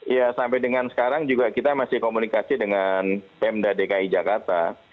ya sampai dengan sekarang juga kita masih komunikasi dengan pemda dki jakarta